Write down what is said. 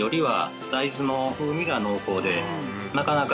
なかなか。